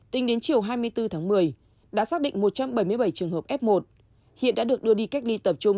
tính đến chiều hai mươi bốn tháng một mươi đã xác định một trăm bảy mươi bảy trường hợp f một hiện đã được đưa đi cách ly tập trung